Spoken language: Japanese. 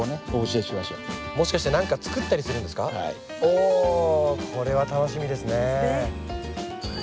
おこれは楽しみですね。